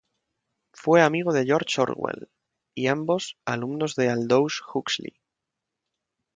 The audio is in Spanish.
Fue amigo de George Orwell, y ambos, alumnos de Aldous Huxley.